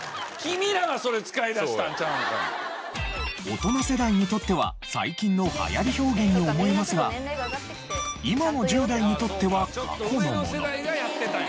大人世代にとっては最近の流行り表現に思えますが今の１０代にとっては過去のもの。